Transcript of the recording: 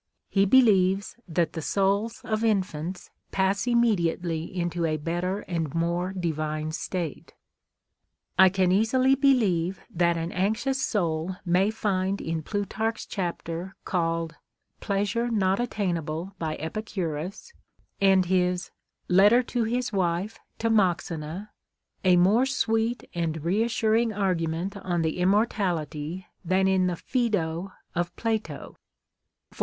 He believes " that the souls of infants pass immediately into a better and more divine state." I can easily believe that an anxious soul may find in Plutarch's chapter called " Pleasure not attainable by Epicurus," and his " Letter to his Wife Timoxena," a more sweet and reassuring argument on the immortality than in tlie Phaedo of Plato ; for XX INTRODUCTIOX.